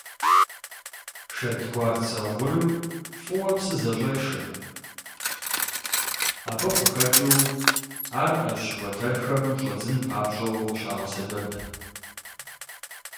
Шэдгуарцэ гъурым фӀыуэ псы зэщӀешэ, абы къыхэкӀыу ар Ӏэщ уэтэрхэм щӀэдзын папщӀэу къыщагъэсэбэп.